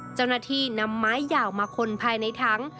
เจ้าหน้าที่นำไม้ยาวมาคนภายในถัง